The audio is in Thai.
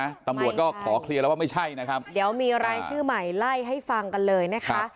ตำรวจก็ขอเคลียร์แล้วว่าไม่ใช่นะครับเดี๋ยวมีรายชื่อใหม่ไล่ให้ฟังกันเลยนะคะ